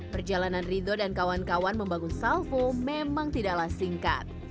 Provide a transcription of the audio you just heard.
perjalanan ridho dan kawan kawan membangun salvo memang tidaklah singkat